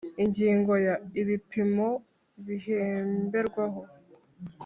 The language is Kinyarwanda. ingingo ya ibipimo bihemberwaho